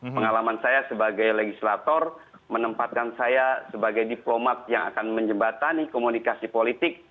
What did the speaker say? pengalaman saya sebagai legislator menempatkan saya sebagai diplomat yang akan menjembatani komunikasi politik